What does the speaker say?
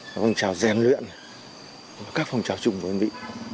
các phong trào gian luyện các phong trào chung với hình vị